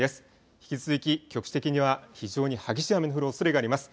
引き続き、局地的には非常に激しい雨の降るおそれがあります。